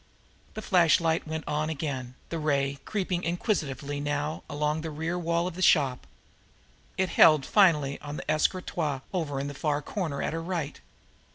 The flashlight went on again, its ray creeping inquisitively now along the rear wall of the shop. It held finally on an escritoire over in the far corner at her right.